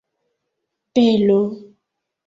belo